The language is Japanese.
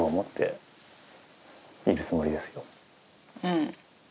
うん。